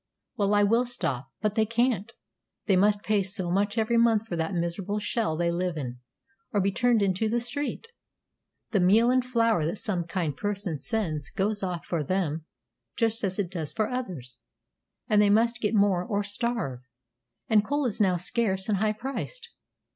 "Well, I will stop; but they can't: they must pay so much every month for that miserable shell they live in, or be turned into the street. The meal and flour that some kind person sends goes off for them just as it does for others, and they must get more or starve; and coal is now scarce and high priced."